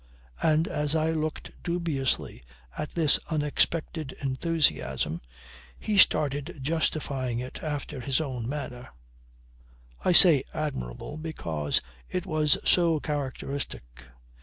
And as I looked dubiously at this unexpected enthusiasm he started justifying it after his own manner. "I say admirable because it was so characteristic.